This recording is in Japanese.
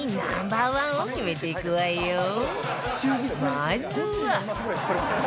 まずは